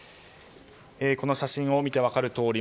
この写真を見て分かるとおり